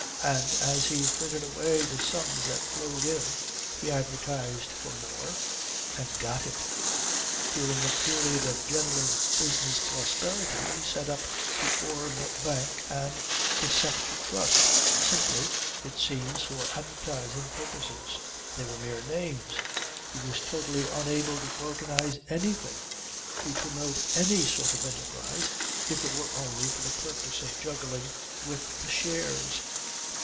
And as he frittered away the sums that flowed in, he advertised for more and got it. During a period of general business prosperity he set up The Orb Bank and The Sceptre Trust, simply, it seems for advertising purposes. They were mere names. He was totally unable to organize anything, to promote any sort of enterprise if it were only for the purpose of juggling with the shares.